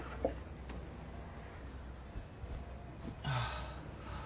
ああ。